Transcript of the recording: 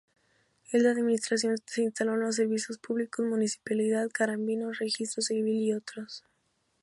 En la administración se instalaron los servicios públicos, municipalidad, carabineros, registro civil y otros.